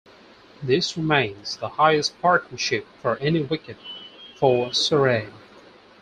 This remains the highest partnership for any wicket for Surrey.